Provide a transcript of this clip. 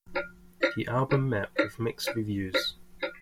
The album met with mixed reviews.